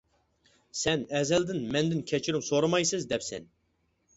سەن ئەزەلدىن مەندىن كەچۈرۈم سورىمايسىز، دەپسەن.